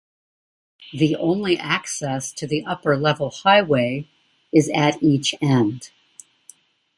The only access to the upper-level highway is at each end.